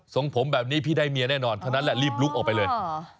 ส่งผมแบบนี้พี่ได้เมียแน่นอนเท่านั้นแหละรีบลุกออกไปเลย